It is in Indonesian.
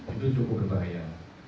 itu cukup berbahaya